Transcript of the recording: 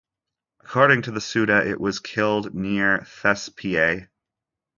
According to the Suda it was killed near Thespiae.